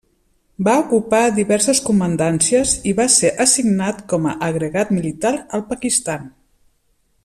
Va ocupar diverses comandàncies i va ser assignat com a agregat militar al Pakistan.